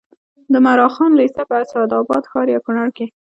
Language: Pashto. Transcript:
د عمراخان لېسه په اسداباد ښار یا کونړ کې